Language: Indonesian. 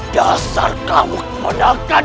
dasar kamu menangkan